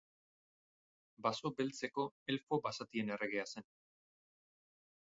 Baso Beltzeko elfo basatien erregea zen.